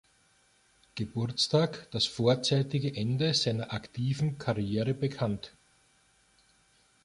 Geburtstag das vorzeitige Ende seiner aktiven Karriere bekannt.